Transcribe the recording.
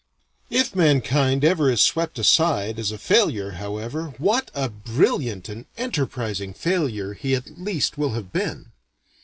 If mankind ever is swept aside as a failure however, what a brilliant and enterprising failure he at least will have been.